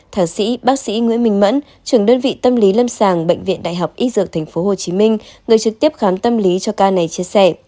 thạ sĩ bác sĩ nguyễn minh mẫn trưởng đơn vị tâm lý lâm sàng bệnh viện đại học y dược tp hcm người trực tiếp khám tâm lý cho ca này chia sẻ